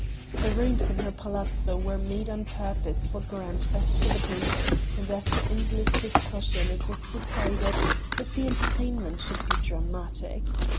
The rooms in her Palazzo were made on purpose for grand festivities, and after endless discussion it was decided that the entertainment should be dramatic.